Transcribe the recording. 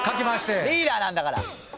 リーダーなんだから。